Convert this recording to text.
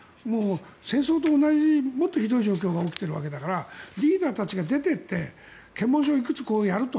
戦争と同じ、もっとひどい状況が起きているわけだからリーダーたちが出ていって検問所をやる。